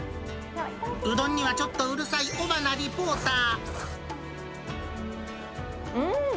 うどんにはちょっとうるさい尾花うーん！